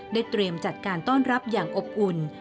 เตรียมจัดการต้อนรับอย่างอบอุ่น